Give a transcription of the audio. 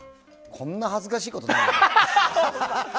こんな恥ずかしいことないよ。